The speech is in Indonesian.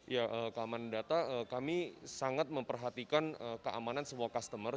ya keamanan data kami sangat memperhatikan keamanan sebuah customer